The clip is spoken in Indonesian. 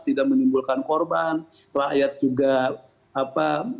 tidak menimbulkan korban rakyat juga apa